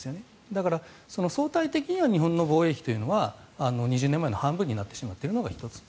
だから、相対的には日本の防衛費というのは２０年前の半分になってしまっているのが１つ。